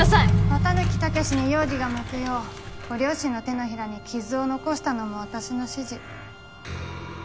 綿貫猛司に容疑が向くようご両親の手のひらに傷を残したのも私の指示。